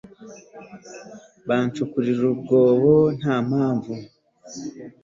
bancukurira urwobo nta mpamvu